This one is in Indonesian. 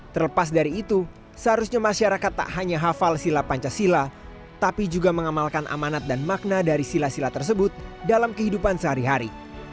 terlepas dari itu seharusnya masyarakat tak hanya hafal sila pancasila tapi juga mengamalkan amanat dan makna dari sila sila tersebut dalam kehidupan sehari hari